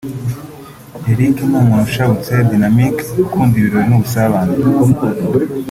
Eric ni umuntu ushabutse (dyanamic) ukunda ibirori n’ubusabane